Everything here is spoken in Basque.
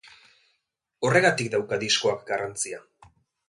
Horregatik dauka diskoak garrantzia.